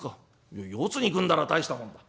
「いや四つに組んだら大したもんだ。